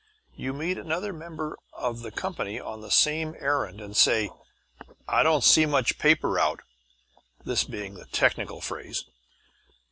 You meet another member of the company on the same errand and say, "I don't see much paper out," this being the technical phrase.